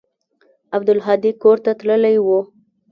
عبدالهادي کور ته تللى و.